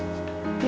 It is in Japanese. え！